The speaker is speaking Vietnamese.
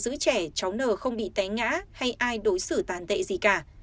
cháu n cho hay ở nhà giữ trẻ cháu n không bị té ngã hay ai đối xử tàn tệ gì cả